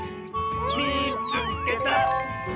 「みいつけた！」。